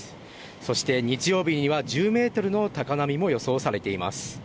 そして、日曜日には１０ｍの高波も予想されています。